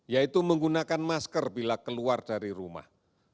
yaitu menggunakan masker bila keluar dari rumah